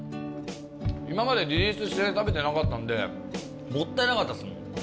今までリリースして食べてなかったんでもったいなかったですもん。